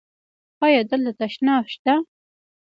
ایا دلته تشناب شته؟